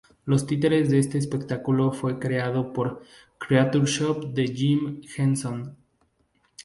Los títeres de este espectáculo fue creado por Creature Shop de Jim Henson.